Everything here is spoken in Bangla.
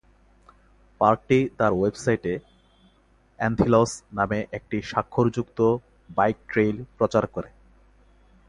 পার্কটি তার ওয়েবসাইটে "অ্যান্থিলস" নামে একটি স্বাক্ষরযুক্ত বাইক ট্রেইল প্রচার করে।